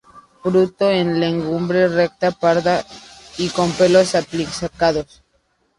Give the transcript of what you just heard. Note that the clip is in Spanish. Fruto en legumbre recta, parda y con pelos aplicados.